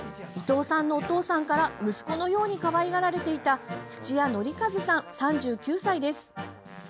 伊藤さんのお父さんから息子のようにかわいがられていた土屋範一さん、３９歳です。